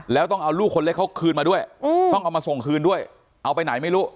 แล้วต้องเอาลูกคนเล็กเขาคืนมาด้วยต้องเอามาส่งคืนด้วยเอาไปไหนไม่รู้